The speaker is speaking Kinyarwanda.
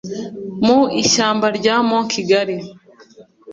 mu ishyamba rya Mont Kigali